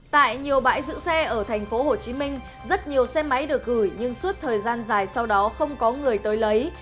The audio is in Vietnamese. tại nhiều bãi giữ xe ở tp hcm rất nhiều xe máy được gửi nhưng suốt thời gian dài sau đó không có người tới lấy